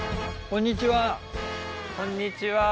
こんにちは。